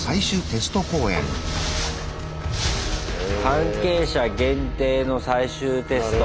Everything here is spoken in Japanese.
関係者限定の最終テスト。